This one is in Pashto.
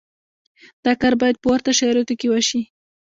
دا کار باید په ورته شرایطو کې وشي.